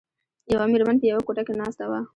یوه میرمن په یوه کوټه کې ناسته وه.